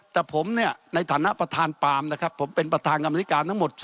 แต่ผมเนี่ยในฐานะประธานปามนะครับผมเป็นประธานกรรมธิการทั้งหมด